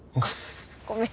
ごめん。